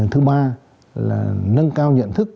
thứ ba là nâng cao nhận thức